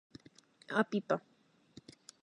A pipa.